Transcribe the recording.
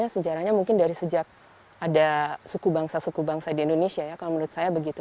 sejarahnya mungkin dari sejak ada suku bangsa suku bangsa di indonesia ya kalau menurut saya begitu